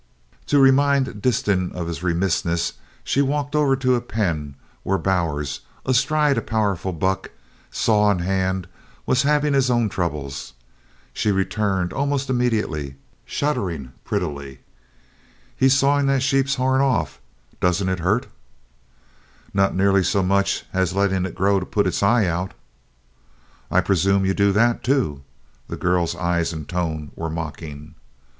To remind Disston of his remissness she walked over to a pen where Bowers, astride a powerful buck, saw in hand, was having his own troubles. She returned almost immediately, shuddering prettily: "He's sawing that sheep's horn off! Doesn't it hurt it?" "Not nearly so much as letting it grow to put its eye out." "I presume you do that, too?" The girl's eyes and tone were mocking.